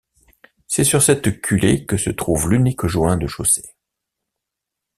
C'est sur cette culée que se trouve l'unique joint de chaussée.